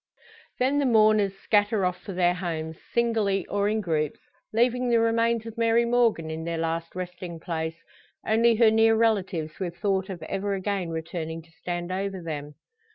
Then the mourners scatter off for their homes, singly or in groups, leaving the remains of Mary Morgan in their last resting place, only her near relatives with thought of ever again returning to stand over them.